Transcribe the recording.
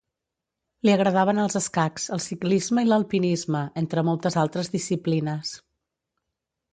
Li agradaven els escacs, el ciclisme i l'alpinisme, entre moltes altres disciplines.